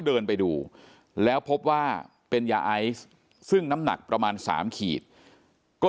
เดินไปดูแล้วพบว่าเป็นยาไอซ์ซึ่งน้ำหนักประมาณ๓ขีดก็